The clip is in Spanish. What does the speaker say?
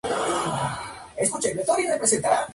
La región contiene algunos de los picos más altos del mundo.